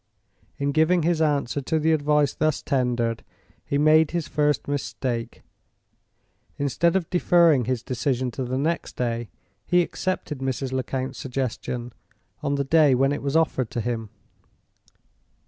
In giving his answer to the advice thus tendered, he made his first mistake. Instead of deferring his decision until the next day, he accepted Mrs. Lecount's suggestion on the day when it was offered to him.